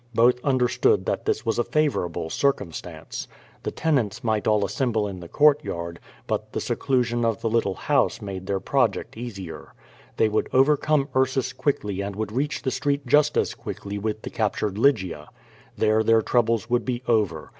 Both understood that this was a favorable circumstance. The ten ants might all assemble in the courtyard, but the seclusion of the little house made their project easier. They would over come T'^rsus quickly and would reach the street just as quickly with the captured Lygia. There their troubles would be over.